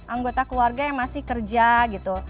anggota keluarga yang masih kerja gitu